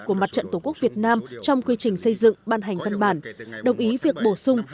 của mặt trận tổ quốc việt nam trong quy trình xây dựng ban hành văn bản đồng ý việc bổ sung